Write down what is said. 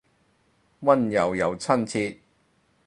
溫柔又親切